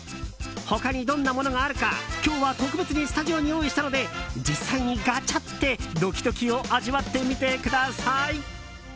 他にどんなものがあるか今日は特別にスタジオに用意したので実際にガチャってドキドキを味わってみてください。